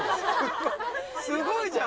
すごいじゃん！